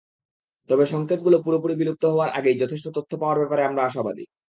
তবে সংকেতগুলো পুরোপুরি বিলুপ্ত হওয়ার আগেই যথেষ্ট তথ্য পাওয়ার ব্যাপারে আমরা আশাবাদী।